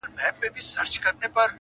o چي په مینه دي را بولي د دار سرته,